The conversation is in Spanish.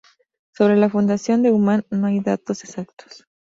Sobre la fundación de Umán no hay datos exactos.